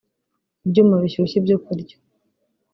ibyuma bishyushya ibyo kurya